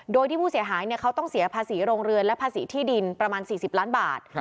โดยที่ผู้เสียหายเขาต้องเสียภาษีโรงเรือนและภาษีที่ดินประมาณ๔๐ล้านบาท